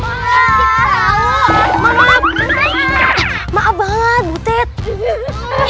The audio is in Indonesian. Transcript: ih kamu tuh ngapain sih